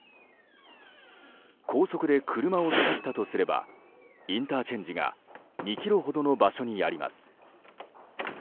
高速で車を使ったとすればインターチェンジが２ｋｍほどの場所にあります。